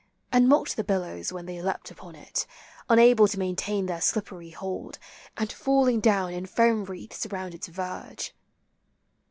And mocked the billows when they leapt upon it, Unable to maintain their slippery hold, And falling down in foam wreaths round its verge.